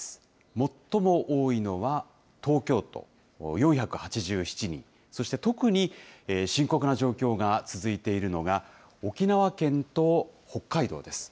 最も多いのは東京都４８７人、そして特に深刻な状況が続いているのが、沖縄県と北海道です。